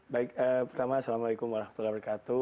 baik pertama assalamualaikum wr wb